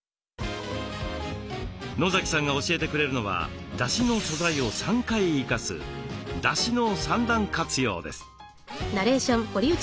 野さんが教えてくれるのはだしの素材を３回生かす「だしの三段活用」です。